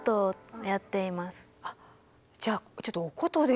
じゃあちょっとお琴で。